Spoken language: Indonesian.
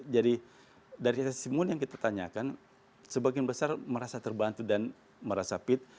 jadi dari semua yang kita tanyakan sebagian besar merasa terbantu dan merasa fit